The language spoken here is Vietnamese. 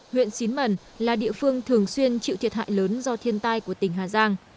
huyện xín mần là địa phương thường xuyên chịu thiệt hại lớn do thiên tai của tỉnh hà giang